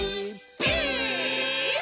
ピース！」